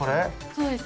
そうです。